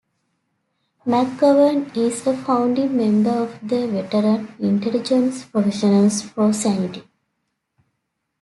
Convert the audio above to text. McGovern is a founding member of the Veteran Intelligence Professionals for Sanity.